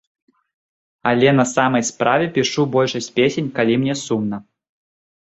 Але на самай справе, пішу большасць песень, калі мне сумна.